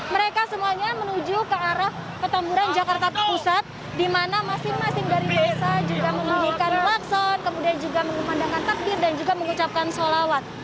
mereka semuanya menuju ke arah petamburan jakarta pusat di mana masing masing dari desa juga membunyikan klakson kemudian juga mengumandangkan takdir dan juga mengucapkan sholawat